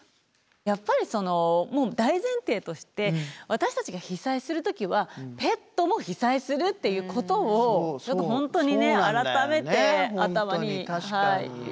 やっぱりその大前提として私たちが被災する時はペットも被災するっていうことを本当に改めて頭に入れとこうと思いました。